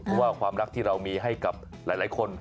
เพราะว่าความรักที่เรามีให้กับหลายคน